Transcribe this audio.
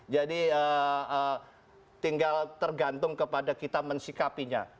jadi tinggal tergantung kepada kita mensikapinya